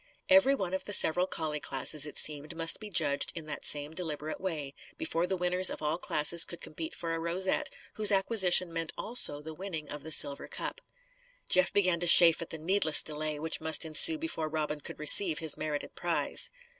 Every one of the several collie classes, it seemed, must be judged in that same deliberate way; before the winners of all classes could compete for a rosette, whose acquisition meant also the winning of the silver cup. Jeff began to chafe at the needless delay which must ensue before Robin could receive his merited prize.